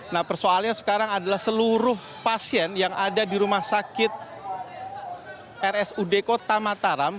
nah persoalnya sekarang adalah seluruh pasien yang ada di rumah sakit rs udk tamataram